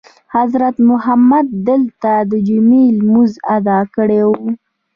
حضرت محمد دلته دجمعې لمونځ ادا کړی وو.